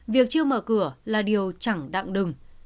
việc chưa mở cửa là điều chẳng đặng đừng